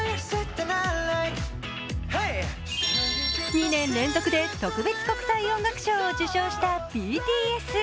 ２年連続で特別国際音楽賞を受賞したＢＴＳ。